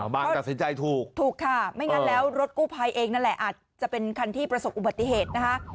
ตัดสินใจถูกถูกค่ะไม่งั้นแล้วรถกู้ภัยเองนั่นแหละอาจจะเป็นคันที่ประสบอุบัติเหตุนะคะ